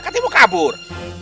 katanya mau kabur